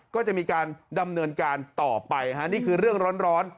ก็จะมีการดำเนินการต่อไปฮะนี่คือเรื่องร้อน